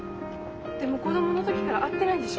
でも子供の時から会ってないんでしょ？